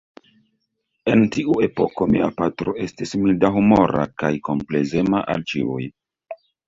En tiu epoko mia patro estis mildahumora kaj komplezema al ĉiuj.